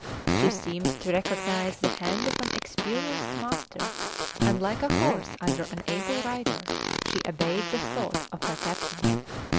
She seemed to recognise the hand of an experienced master, and like a horse under an able rider, she obeyed the thought of her captain.